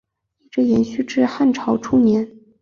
一直延续至汉朝初年。